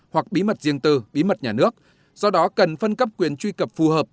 hoặc bí mật riêng tư bí mật nhà nước do đó cần phân cấp quyền truy cập phù hợp